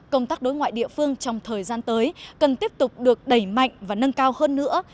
công tác đối ngoại địa phương trong thời gian tới cần tiếp tục được đẩy mạnh và nâng cao hơn nữa